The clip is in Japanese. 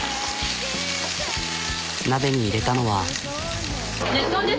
鍋に入れたのは。